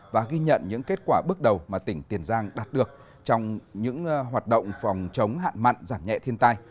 và ghi nhận những kết quả bước đầu mà tỉnh tiền giang đạt được trong những hoạt động phòng chống hạn mặn giảm nhẹ thiên tai